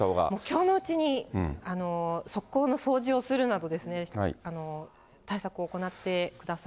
きょうのうちに側溝の掃除をするなど、対策を行ってください。